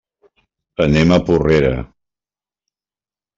Anem a Porrera.